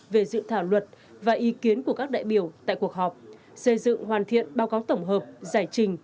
về dự thảo luật và ý kiến của các đại biểu tại cuộc họp xây dựng hoàn thiện báo cáo tổng hợp giải trình